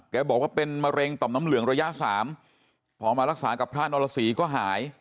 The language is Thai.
บอกว่าเป็นมะเร็งต่อมน้ำเหลืองระยะสามพอมารักษากับพระนรสีก็หาย